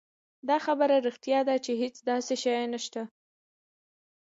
دا خبره رښتيا ده چې هېڅ داسې شی نشته